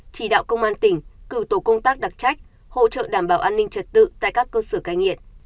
chỉ đạo công an tỉnh cử tổ công tác đặc trách hỗ trợ đảm bảo an ninh trật tự tại các cơ sở cai nghiện